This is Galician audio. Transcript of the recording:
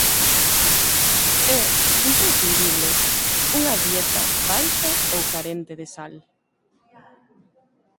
É imprescindible unha dieta baixa ou carente de sal.